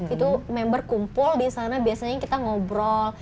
itu member kumpul disana biasanya kita ngobrol